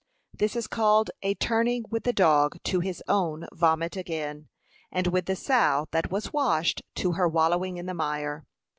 This is called, 'A turning with the dog to his own vomit again, and with the sow that was washed, to her wallowing in the mire.'